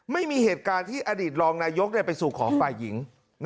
ไม่มีเหตุการณ์ที่อดีตรองนายกไปสู่ขอฝ่ายหญิง